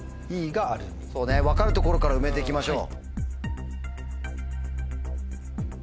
そうね分かる所から埋めて行きましょう。